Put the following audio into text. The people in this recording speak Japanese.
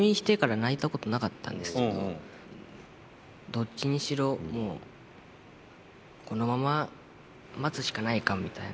どっちにしろもうこのまま待つしかないかみたいな。